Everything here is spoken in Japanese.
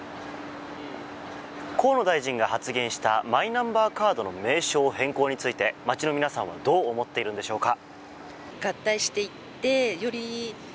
河野大臣が発言したマイナンバーカードの名称変更について街の皆さんはどう思っているんでしょうか。